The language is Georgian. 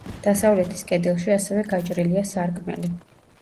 დასავლეთის კედელში ასევე გაჭრილია სარკმელი.